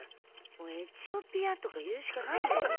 もうエチオピアとか言うしかないもんね。